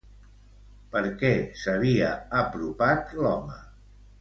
Per què s'havia apropat l'home?